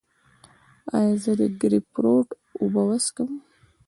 ایا زه د ګریپ فروټ اوبه وڅښم؟